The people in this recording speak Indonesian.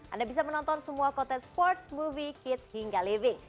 anda bisa menonton semua konten sports movie kids hingga living